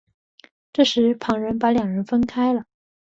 这时旁人把两人分开了。